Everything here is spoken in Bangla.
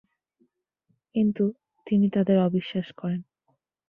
কিন্তু তিনি তাদের অবিশ্বাস করেন।